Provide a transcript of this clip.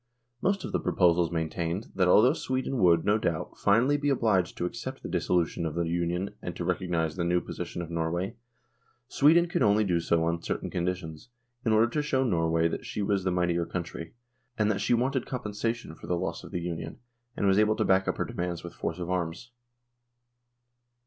Most of the proposals maintained, that al though Sweden would, no doubt, finally be obliged to accept the dissolution of the Union and to recog nise the new position of Norway, Sweden could only do so on certain conditions, in order to show Norway that she was the mightier country, and that she wanted compensation for the loss of the Union, and was able to back up her demands with force of arms.